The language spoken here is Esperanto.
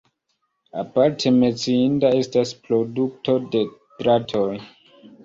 Aparte menciinda estas produkto de dratoj.